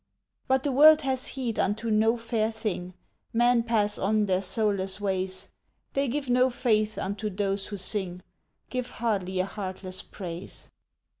But the world has heed unto no fair thing, Men pass on their soulless ways, They give no faith unto those who sing, Give hardly a heartless praise.